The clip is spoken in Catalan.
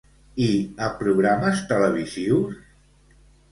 I a programes televisius?